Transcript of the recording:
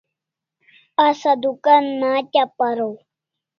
Asa dukan una hatya paraw